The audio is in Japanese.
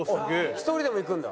１人でも行くんだ？